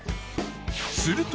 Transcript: すると